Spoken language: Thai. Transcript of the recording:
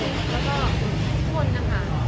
แล้วก็ทุกคนนะคะ